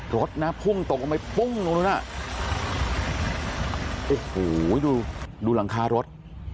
รถนะภุ่งตกลงไปปุ้งตรงนู้นดูหลังคารถ